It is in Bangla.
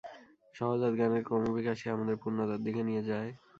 সহজাত জ্ঞানের ক্রমবিকাশই আমাদের পূর্ণতার দিকে নিয়ে যায়।